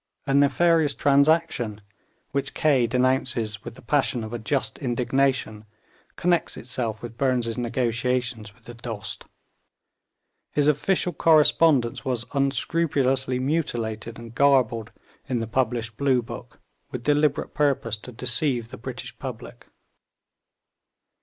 A nefarious transaction, which Kaye denounces with the passion of a just indignation, connects itself with Burnes' negotiations with the Dost; his official correspondence was unscrupulously mutilated and garbled in the published Blue Book with deliberate purpose to deceive the British public.